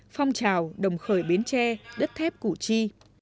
phong trào đồng khởi biến tre đất thép cụ chi